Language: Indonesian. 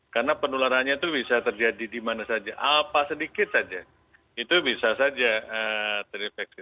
karena penularannya itu bisa terjadi dimana saja apa sedikit saja itu bisa saja terinfeksi